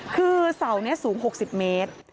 คือเสานี้สูง๖๐เมตร